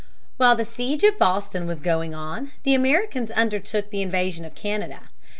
While the siege of Boston was going on, the Americans undertook the invasion of Canada.